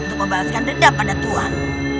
untuk membalaskan dendam pada tuan